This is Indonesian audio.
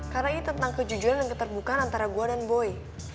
karena ini tentang kejujuran dan keterbukaan antara gue dan boy